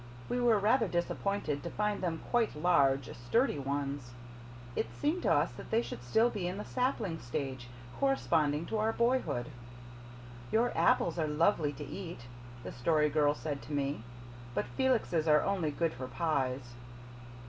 We were rather disappointed to find them quite large, sturdy ones. It seemed to us that they should still be in the sapling stage corresponding to our boyhood. "Your apples are lovely to eat," the Story Girl said to me, "but Felix's are only good for pies.